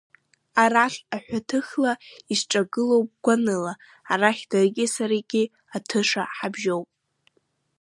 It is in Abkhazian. Арахь аҳәаҭыхла исҿагылоуп гәаныла, арахь даргьы саргь атыша ҳабжьоуп.